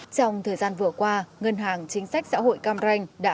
trong thời gian vừa qua ngân hàng chính sách xã hội cam ranh